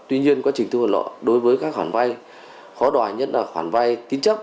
tuy nhiên quá trình thu hồi nợ đối với các khoản vay khó đòi nhất là khoản vay tín chấp